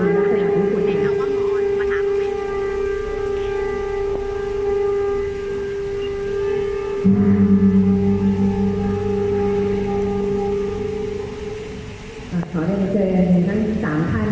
สังฆาตังโลตังโลตังภาษา